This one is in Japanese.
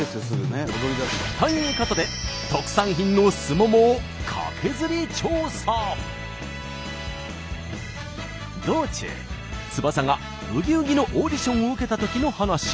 ということで特産品の道中翼が「ブギウギ」のオーディションを受けたときの話に。